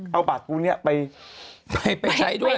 เอาบัตรกูเนี่ยไปใช้ด้วย